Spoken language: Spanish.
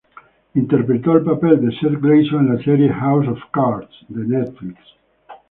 Interpretó el papel de Seth Grayson en la serie "House of Cards" de Netflix.